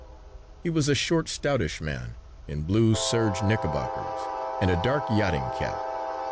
He was a short stoutish man in blue serge knickerbockers and a dark yachting cap.